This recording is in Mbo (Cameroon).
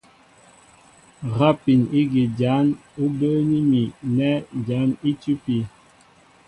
Rápin ígí jǎn ú bə́ə́ní mi nɛ̂ jǎn í tʉ́pí.